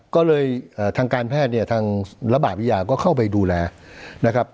ก็เลยทางการแพทย์เนี่ยทางระบาดวิทยาก็เข้าไปดูแลนะครับ